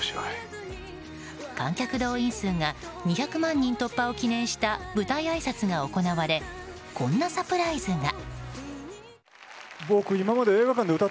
観客動員数が２００万人突破を記念した舞台あいさつが行われこんなサプライズが。